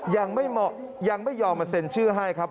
ยังไม่ยอมมาเซ็นชื่อให้ครับ